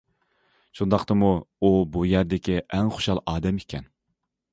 شۇنداقتىمۇ ئۇ بۇ يەردىكى ئەڭ خۇشال ئادەم ئىكەن.